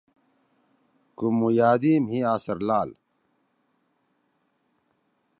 کُومُیادی مھی آسر لال